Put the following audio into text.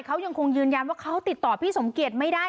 เขายังคงยืนยันว่าเขาติดต่อพี่สมเกียจไม่ได้